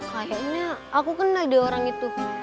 kayaknya aku kena dia orang itu